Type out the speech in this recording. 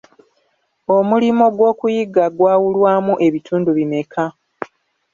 Omulimo gw'okuyiga gwawulwamu ebitundu bimeka?